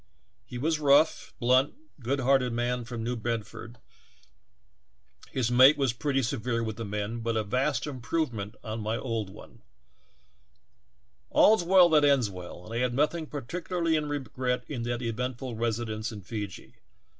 He was a rough, blunt, good hearted man from New Bedford; his mate was pretty severe Avith the men, but a vast improvement on my old one. All's well that ends well, and I have CAPTURED BY CANNIBALS. 63 nothing particularly to regret in that eventful residence in Feejee.